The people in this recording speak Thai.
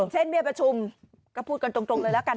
เช่นเบี้ยประชุมก็พูดกันตรงเลยแล้วกัน